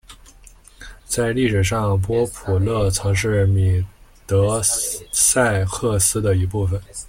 在历史上波普勒曾是米德塞克斯的一部分。